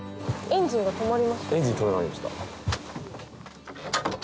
エンジン止まりました。